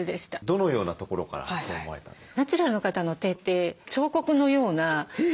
どのようなところからそう思われたんですか？